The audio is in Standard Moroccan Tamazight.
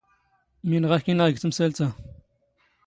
ⵎⵉⵏ ⵖⴰ ⴰⴽ ⵉⵏⵉⵖ ⴳ ⵜⵎⵙⴰⵍⵜ ⴰ!